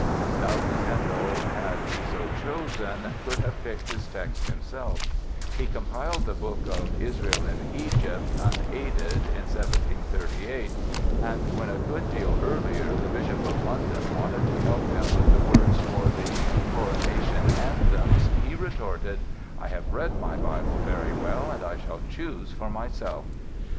Doubtless Handel, had he so chosen, could have picked his texts himself; he compiled the book of "Israel in Egypt" unaided in 1738 and when, a good deal earlier, the Bishop of London wanted to help him with the words for the "Coronation Anthems" he retorted: "I have read my Bible very well, and I shall choose for myself!"